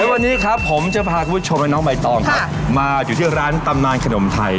เฮ้ยวันนี้ครับผมจะพาคุณผู้ชมแล้วน้องมัยตอลมาอยู่ที่ร้านตำนานขนมไทย